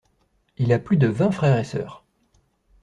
Il a plus de vingt frères et sœurs.